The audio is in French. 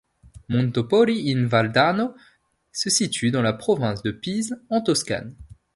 Montopoli in Val d'Arno se situe dans la province de Pise, en Toscane.